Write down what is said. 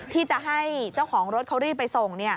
ที่จะให้เจ้าของรถเขารีบไปส่ง